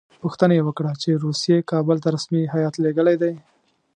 پوښتنه یې وکړه چې روسیې کابل ته رسمي هیات لېږلی دی.